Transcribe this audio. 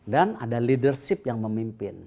dan ada leadership yang memimpin